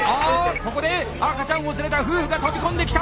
ここで赤ちゃんを連れた夫婦が飛び込んできた！